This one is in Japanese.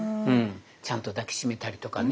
ちゃんと抱き締めたりとかね。